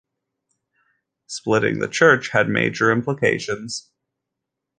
Splitting the Church had major implications.